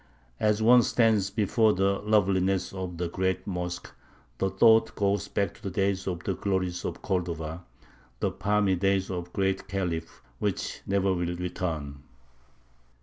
As one stands before the loveliness of the Great Mosque, the thought goes back to the days of the glories of Cordova, the palmy days of the Great Khalif, which never will return.